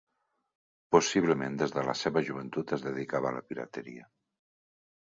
Possiblement des de la seva joventut es dedicava a la pirateria.